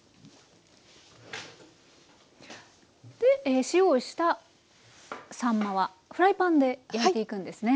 で塩をしたさんまはフライパンで焼いていくんですね。